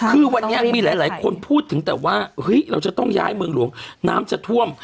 คือวันนี้มีหลายคนพูดถึงแต่ว่าเฮ้ยเราจะต้องย้ายเมืองหลวงน้ำจะท่วม